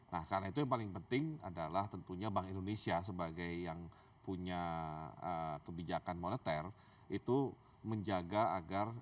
nah karena itu yang paling penting adalah tentunya bank indonesia sebagai yang punya kebijakan moneter itu menjaga agar